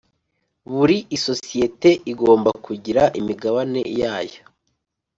Buri isosiyete igomba kugira imigabane yayo.